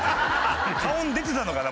顔に出てたのかな？